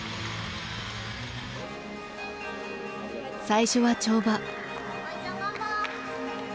最初は跳馬。